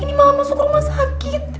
ini malah masuk ke rumah sakit